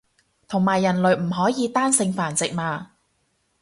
同埋人類唔可以單性繁殖嘛